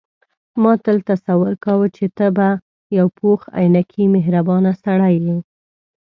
ما تل تصور کاوه چې ته به یو پوخ عینکي مهربانه سړی یې.